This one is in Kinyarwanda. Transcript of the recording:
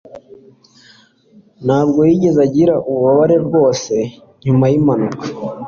ntabwo yigeze agira ububabare rwose nyuma yimpanuka